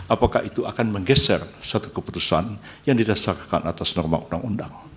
apakah itu akan menggeser satu keputusan yang didasarkan atas norma undang undang